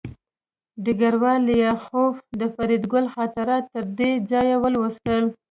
ډګروال لیاخوف د فریدګل خاطرات تر دې ځایه ولوستل